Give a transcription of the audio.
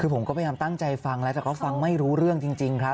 คือผมก็พยายามตั้งใจฟังแล้วแต่ก็ฟังไม่รู้เรื่องจริงครับ